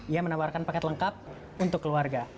ia menawarkan paket lengkap untuk keluarga